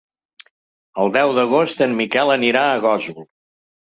El deu d'agost en Miquel anirà a Gósol.